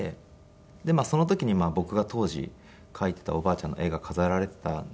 でその時に僕が当時描いていたおばあちゃんの絵が飾られていたんですけど。